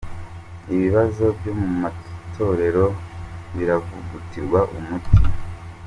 Ibibazo byo mu matorero biravugutirwa umuti